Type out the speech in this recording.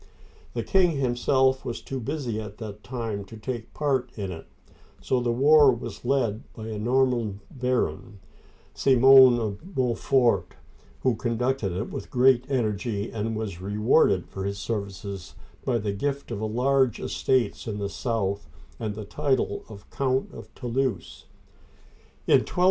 The king himself was too busy at that time to take any part in it, so the war was led by a Norman baron, Simon of Mont'fort, who conducted it with great energy, and was rewarded for his services by the gift of large estates in the south, and the title of Count of Toulouse (too looz').